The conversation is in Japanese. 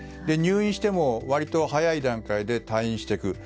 入院しても割と早い段階で退院していく。